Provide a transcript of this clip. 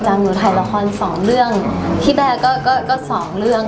หนูถ่ายละครสองเรื่องที่แรกก็ก็สองเรื่อง